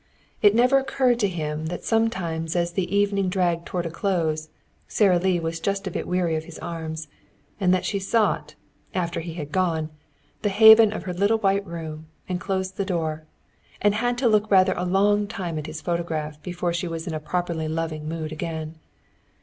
It never occurred to him that sometimes as the evening dragged toward a close Sara Lee was just a bit weary of his arms, and that she sought, after he had gone, the haven of her little white room, and closed the door, and had to look rather a long time at his photograph before she was in a properly loving mood again.